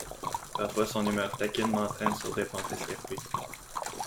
Parfois son humeur taquine m’entraîne sur des pentes escarpées.